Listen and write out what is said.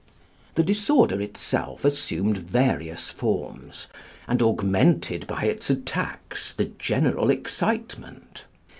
The disorder itself assumed various forms, and augmented by its attacks the general excitement.